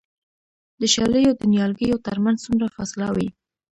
د شالیو د نیالګیو ترمنځ څومره فاصله وي؟